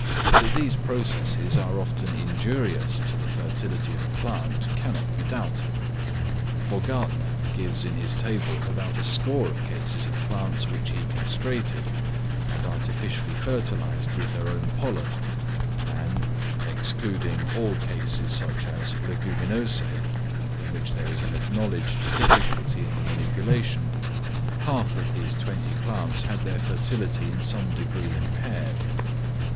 That these processes are often injurious to the fertility of a plant cannot be doubted; for Gärtner gives in his table about a score of cases of plants which he castrated, and artificially fertilised with their own pollen, and (excluding all cases such as the Leguminosæ, in which there is an acknowledged difficulty in the manipulation) half of these twenty plants had their fertility in some degree impaired.